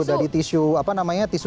dari tisu apa namanya tisu